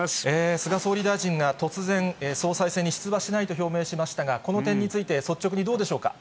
菅総理大臣が突然、総裁選に出馬しないと表明しましたが、この点について、率直にどうでし